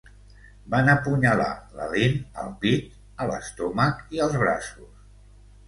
Van apunyalar la Lindh al pit, a l'estómac i als braços.